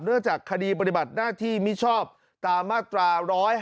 เนื่องจากคดีบริบัติหน้าที่มิชอบตามมาตรา๑๕๗